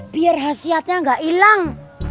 biar khasiatnya nggak hilang